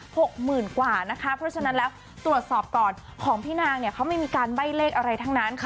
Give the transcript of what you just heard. หกหมื่นกว่านะคะเพราะฉะนั้นแล้วตรวจสอบก่อนของพี่นางเนี่ยเขาไม่มีการใบ้เลขอะไรทั้งนั้นค่ะ